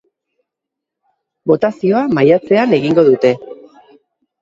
Botazioa maiatzean egingo dute.